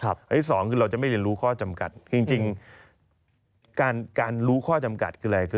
อันนี้สองคือเราจะไม่ได้รู้ข้อจำกัดจริงการรู้ข้อจำกัดคืออะไร